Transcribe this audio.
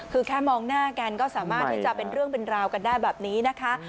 คือแค่มองหน้ากันก็สามารถที่จะเป็นเรื่องเป็นราวกันได้แบบนี้นะคะ